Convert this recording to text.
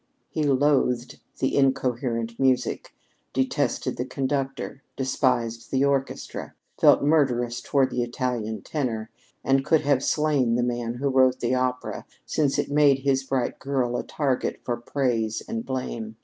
He loathed the incoherent music; detested the conductor; despised the orchestra; felt murderous toward the Italian tenor; and could have slain the man who wrote the opera, since it made his bright girl a target for praise and blame.